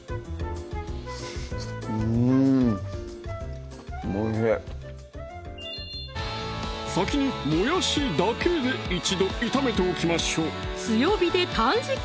うんおいしい先にもやしだけで一度炒めておきましょう強火で短時間！